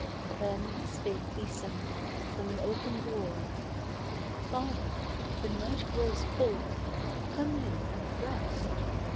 Then spake December, from an open door: 'Father, the night grows cold; come in and rest.